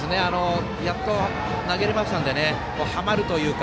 やっと投げれましたのではまるというか。